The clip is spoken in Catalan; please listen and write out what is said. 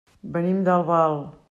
Venim d'Albal.